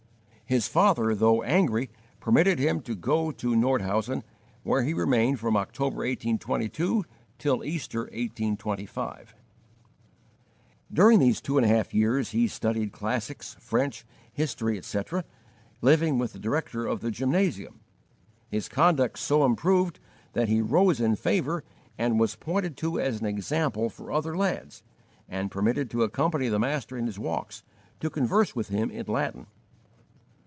His father, though angry, permitted him to go to Nordhausen, where he remained from October, 1822, till Easter, 1825. During these two and a half years he studied classics, French, history, etc., living with the director of the gymnasium. His conduct so improved that he rose in favour and was pointed to as an example for the other lads, and permitted to accompany the master in his walks, to converse with him in Latin.